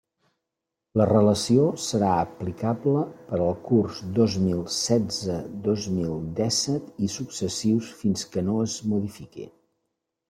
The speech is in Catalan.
La relació serà aplicable per al curs dos mil setze dos mil dèsset i successius fins que no es modifique.